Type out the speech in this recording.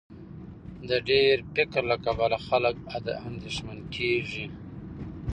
د ډېر فکر له کبله خلک اندېښمن کېږي.